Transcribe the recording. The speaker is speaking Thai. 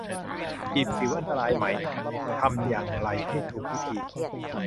บีบสิวอันตรายไหม ทำอย่างไรให้ถูกวิธี